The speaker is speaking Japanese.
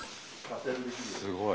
すごい。